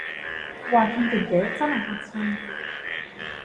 嘩咁勁嘅真係嚇親